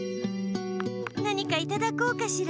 なにかいただこうかしら？